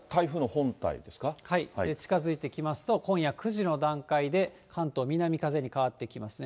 近づいてきますと、今夜９時の段階で、関東、南風に変わってきますね。